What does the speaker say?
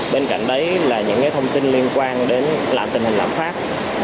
bên cạnh đấy là những thông tin liên quan đến lạm tình hình lãm phát